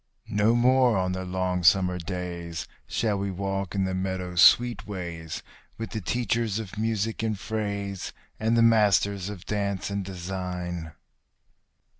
No more on the long summer days shall we walk in the meadow sweet ways With the teachers of music and phrase, and the masters of dance and design.